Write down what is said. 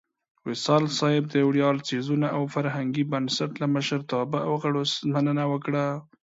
وصال صېب د ویاړ څیړنیز او فرهنګي بنسټ لۀ مشرتابۀ او غړو مننه وکړه